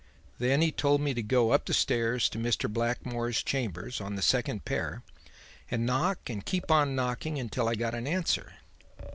Then he told me to go up the stairs to Mr. Blackmore's chambers on the second pair and knock and keep on knocking until I got an answer.